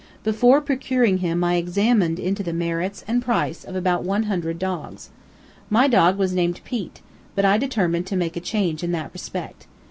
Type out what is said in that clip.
Before I procured him I examined into the merits, and price, of about one hundred dogs. My dog was named Pete, but I determined to make a change in that respect.